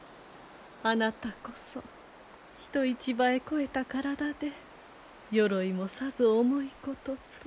あなたこそ人一倍肥えた体で鎧もさぞ重いことと。